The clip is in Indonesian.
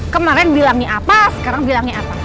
kemarin bilangnya apa sekarang bilangnya apa